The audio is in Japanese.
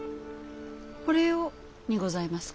これをにございますか？